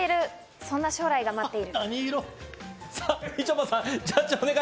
そんな将来が待っている。